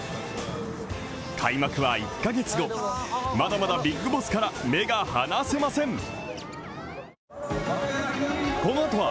開幕は１カ月後、まだまだビッグボスから目が離せません。